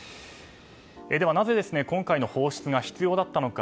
ではなぜ今回の放出が必要だったのか。